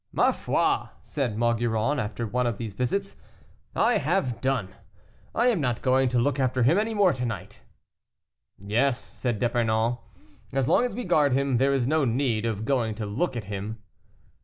"Ma foi!" said Maugiron, after one of these visits, "I have done; I am not going to look after him any more to night." "Yes," said D'Epernon, "as long as we guard him, there is no need of going to look at him."